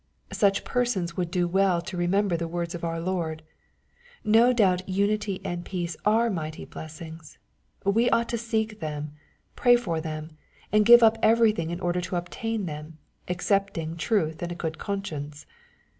Such persons would do well to remember the words of our Lord. No doubt unity and peace are mighty bles sings. We ought to seek them, pray for them, and give up everything in order to obtain them, excepting truth and a good conscience.